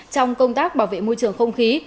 trong công tác bảo vệ môi trường không khí